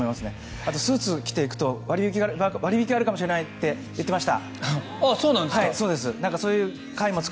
あと、スーツを着ていくと割引があるかもしれないって言っていました。